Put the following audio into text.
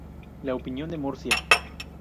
La Opinión de Murcia.